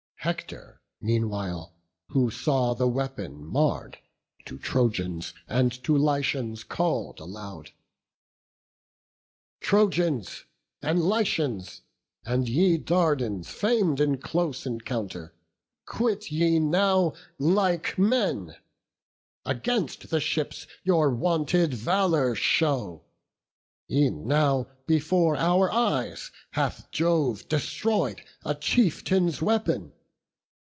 Hector meanwhile, who saw the weapon marr'd, To Trojans and to Lycians call'd aloud: "Trojans and Lycians, and ye Dardans fam'd In close encounter, quit ye now like men; Against the ships your wonted valour show. E'en now, before our eyes, hath Jove destroy'd A chieftain's weapon.